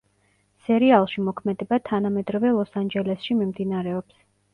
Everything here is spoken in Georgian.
სერიალში მოქმედება თანამედროვე ლოს-ანჯელესში მიმდინარეობს.